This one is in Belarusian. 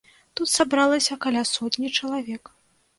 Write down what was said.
Тут сабралася каля сотні чалавек.